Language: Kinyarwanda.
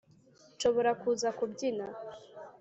nshobora kuza kubyina.